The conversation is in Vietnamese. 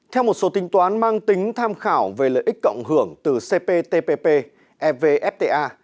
theo một số tính toán mang tính tham khảo về lợi ích cộng hưởng từ cptpp evfta